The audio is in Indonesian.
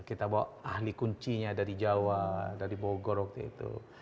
kita bawa ahli kuncinya dari jawa dari bogor waktu itu